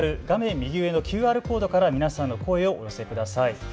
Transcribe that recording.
画面右上のＱＲコードから皆さんの声をお寄せください。